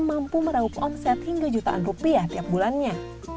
mampu meraup omset hingga jutaan rupiah tiap bulannya